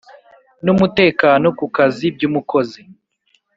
N umutekano ku kazi by umukozi